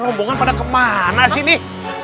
rombongan pada kemana sih nih